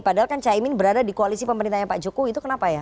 padahal kan caimin berada di koalisi pemerintahnya pak jokowi itu kenapa ya